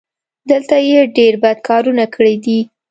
دلته یې ډېر بد کارونه کړي دي.